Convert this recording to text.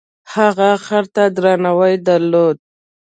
هغه خر ته درناوی درلود.